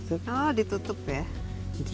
oh ditutup ya